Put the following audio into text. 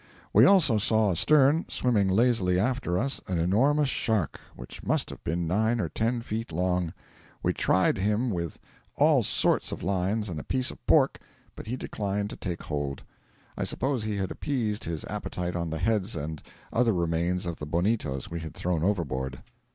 We also saw astern, swimming lazily after us, an enormous shark, which must have been nine or ten feet long. We tried him with all sorts of lines and a piece of pork, but he declined to take hold. I suppose he had appeased his appetite on the heads and other remains of the bonitos we had thrown overboard.